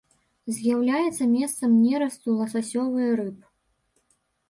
З'яўляецца месцам нерасту ласасёвыя рыб.